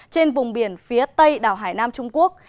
trên vùng biển phía tây đảo hải nam trung quốc